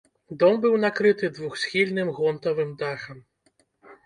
Дом быў накрыты двухсхільным гонтавым дахам.